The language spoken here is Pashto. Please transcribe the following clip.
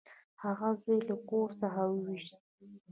هغه زوی له کور څخه وویست.